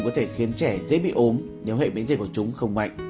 có thể khiến trẻ dễ bị ốm nếu hệ biến dịch của chúng không mạnh